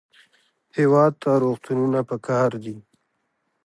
هېواد ته روغتونونه پکار دي